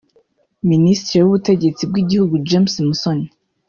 minisitiri w’ubutegetsi bw’igihugu James Musoni